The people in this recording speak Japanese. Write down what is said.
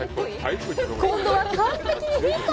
今度は完璧にヒット！！